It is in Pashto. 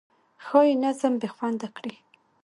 ښایي نظم بې خونده کړي.